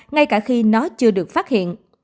ngay cả khi nó chưa được phát hiện